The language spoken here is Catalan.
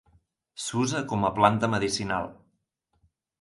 S'usa com a planta medicinal.